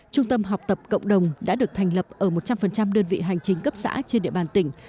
trung tâm học tập cộng đồng đã được thành lập ở một trăm linh đơn vị hành chính cấp xã trên địa bàn tỉnh